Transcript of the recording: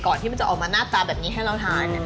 ที่มันจะออกมาหน้าตาแบบนี้ให้เราทาน